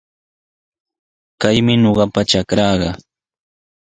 Kaymi ñuqapa trakraaqa.